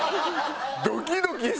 ドキドキした。